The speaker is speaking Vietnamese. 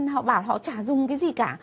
họ bảo họ chả dùng cái gì cả